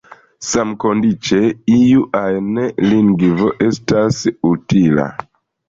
Samkondiĉe iu ajn lingvo estas utila.